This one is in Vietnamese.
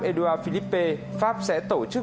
edouard philippe pháp sẽ tổ chức